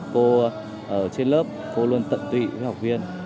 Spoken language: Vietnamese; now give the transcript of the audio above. cô ở trên lớp cô luôn tận tụy với học viên